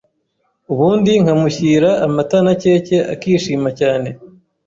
Ubundi nkamushyira amata na keke akishima cyane,